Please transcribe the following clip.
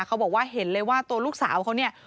เขาบอกว่าเห็นเลยว่าตัวลูกสาวเขาเนี่ย